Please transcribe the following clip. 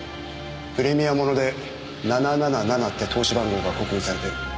プレミア物で７７７って通し番号が刻印されてる。